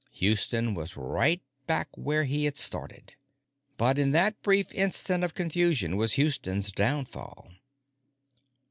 Houston was right back where he had started. But that brief instant of confusion was Houston's downfall.